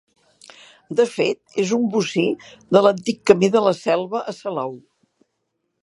De fet, és un bocí de l'antic camí de La Selva a Salou.